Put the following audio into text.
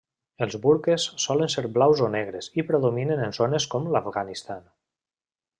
Els burques solen ser blaus o negres i predominen en zones com l'Afganistan.